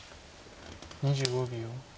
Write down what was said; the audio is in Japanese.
２５秒。